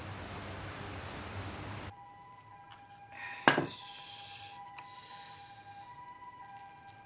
よし。